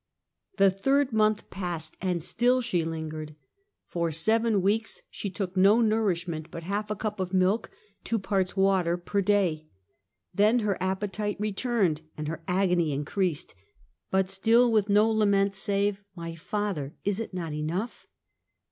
The third month passed, and still she lingered. For seven weeks she took no nourishment but half a cup of milk, two parts water, per day. Then her appetite returned and her agony increased, but still with no la ment save: "My Father! Is it not enough?"